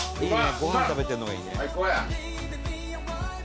ご飯食べてるのがいいね」